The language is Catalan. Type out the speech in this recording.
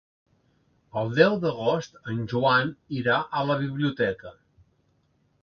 El deu d'agost en Joan irà a la biblioteca.